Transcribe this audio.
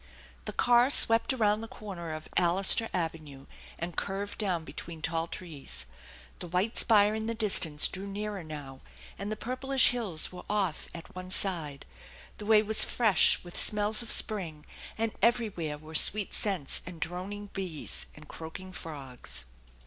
The car swept around the corner of Allister Avenue, and curved down between tall trees. The white spire in the dis tance drew nearer now, and the purplish hills were off at one side. The way was fresh with smells of spring, and every where were sweet scents and droning bees and croaking frogs.